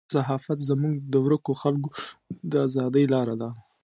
صحافت زموږ د ورکو خلکو د ازادۍ لاره ده.